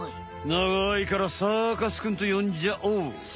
ながいからサーカスくんとよんじゃおう。